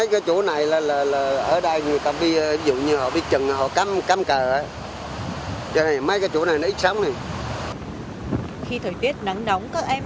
khi thời tiết nắng nóng các em